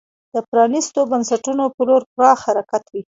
د پرانیستو بنسټونو په لور پراخ حرکت وي.